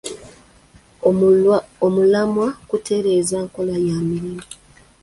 Omulamwa kutereeza nkola ya mirimu.